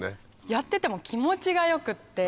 やってても気持ちが良くって。